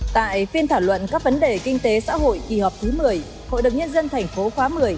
tại phiên thảo luận các vấn đề kinh tế xã hội kỳ họp thứ một mươi hội đồng nhân dân tp khoá một mươi